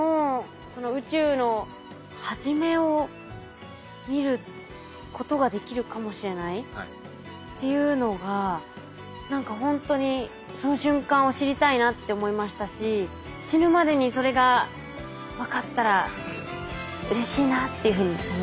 宇宙のはじめを見ることができるかもしれないっていうのが何かほんとにその瞬間を知りたいなって思いましたし死ぬまでにそれが分かったらうれしいなっていうふうに思いました。